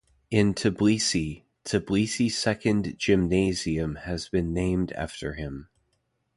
In Tbilisi, Tbilisi Second Gymnasium has been named after him.